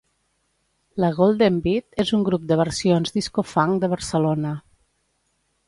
La Golden Beat és un grup de versions disco-funk de Barcelona